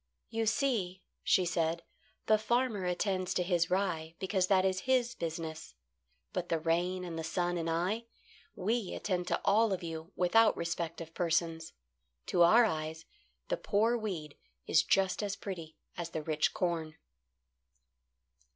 "You see," she said, "the farmer attends to his rye, because that is his business. But the rain and the sun and I we attend to all of you without respect of persons. To our eyes the poor weed is just as pretty as the rich corn."